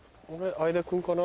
相田君かな？